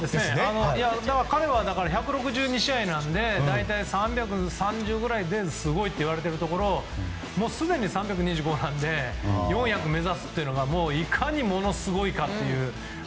彼は１６２試合なので大体３３０ぐらいですごいといわれているところすでに３２５なので４００目指すのがもういかにものすごいかという。